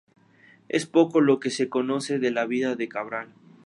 Es poco lo que se conoce de la vida de Cabral.